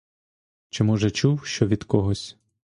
Чи, може, чув що від когось?